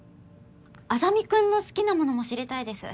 莇君の好きなものも知りたいです。